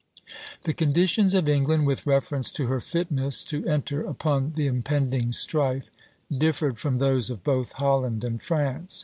The conditions of England, with reference to her fitness to enter upon the impending strife, differed from those of both Holland and France.